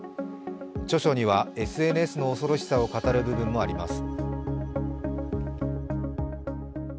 著書にはＳＮＳの恐ろしさを語る部分もあります。